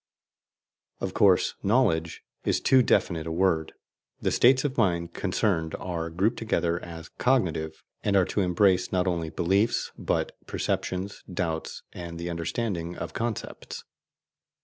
Of course, "knowledge" is too definite a word: the states of mind concerned are grouped together as "cognitive," and are to embrace not only beliefs, but perceptions, doubts, and the understanding of concepts.